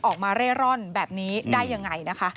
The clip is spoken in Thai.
ออกมาเร่ร่อนแบบนี้ได้ยังไงนะคะ